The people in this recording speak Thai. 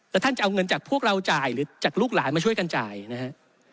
แล้วท่านจะเอาเงินจากพวกเราจ่ายหรือจากลูกหลานมาช่วยกันจ่ายนะฮะ